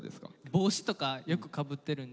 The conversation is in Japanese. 帽子とかよくかぶってるんで。